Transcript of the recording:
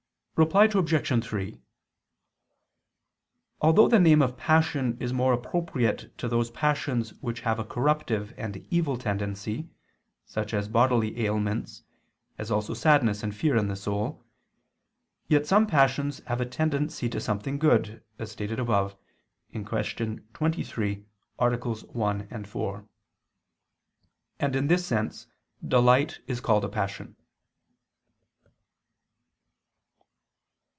Reply Obj. 3: Although the name of passion is more appropriate to those passions which have a corruptive and evil tendency, such as bodily ailments, as also sadness and fear in the soul; yet some passions have a tendency to something good, as stated above (Q. 23, AA. 1, 4): and in this sense delight is called a passion.